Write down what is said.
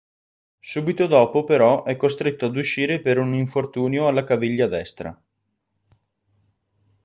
Subito dopo però è costretto ad uscire per un infortunio alla caviglia destra.